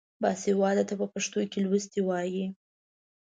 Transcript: باسواده ته په پښتو کې لوستی وايي.